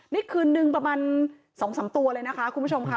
นี่คืนนึงประมาณ๒๓ตัวเลยนะคะคุณผู้ชมค่ะ